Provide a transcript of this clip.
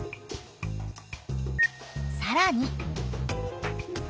さらに。